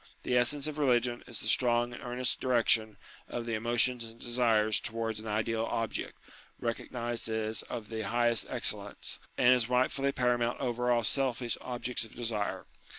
The essence of re ligion is the strong and earnest direction of the o o emotions and desires towards an ideal object, recog nized as of the highest excellence, and as rightfully paramount over all selfish objects of desire.